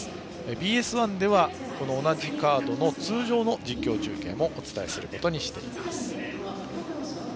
ＢＳ１では同じカードの通常の実況中継もお伝えします。